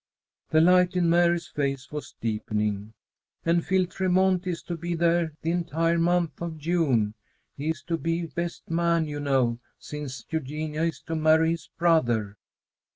The light in Mary's face was deepening. "And Phil Tremont is to be there the entire month of June. He is to be best man, you know, since Eugenia is to marry his brother."